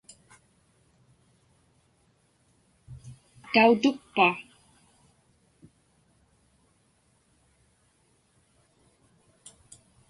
Tautukpa?